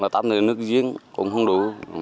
tắm thì nước giếng cũng không đủ